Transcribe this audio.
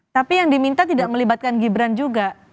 tapi yang diminta tidak melibatkan gibran juga